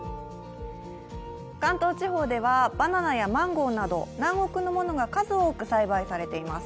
関東地方では、バナナやマンゴーなど南国のものが数多く栽培されています。